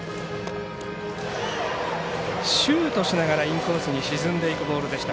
シュートしながらインコースに沈んでいくボールでした。